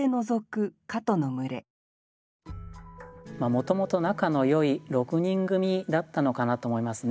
もともと仲のよい六人組だったのかなと思いますね。